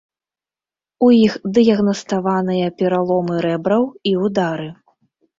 У іх дыягнаставаныя пераломы рэбраў і удары.